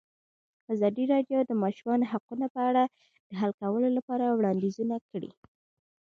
ازادي راډیو د د ماشومانو حقونه په اړه د حل کولو لپاره وړاندیزونه کړي.